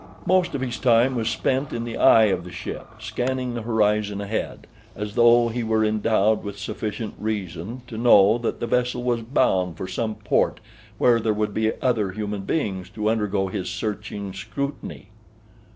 Most of his time was spent in the eye of the ship scanning the horizon ahead, as though he were endowed with sufficient reason to know that the vessel was bound for some port where there would be other human beings to undergo his searching scrutiny.